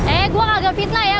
eh gue agak fitnah ya